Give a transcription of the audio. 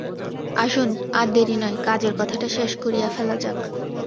আসুন, আর দেরি নয়, কাজের কথাটা শেষ করিয়া ফেলা যাক!